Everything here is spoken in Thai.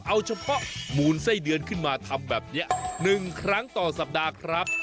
เอาเฉพาะมูลไส้เดือนขึ้นมาทำแบบนี้๑ครั้งต่อสัปดาห์ครับ